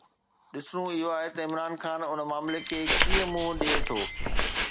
ڏسڻو اهو آهي ته عمران خان ان معاملي کي ڪيئن منهن ڏئي ٿو.